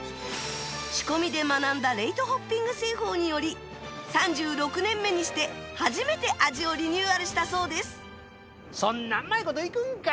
仕込みで学んだレイトホッピング製法により３６年目にして初めて味をリニューアルしたそうです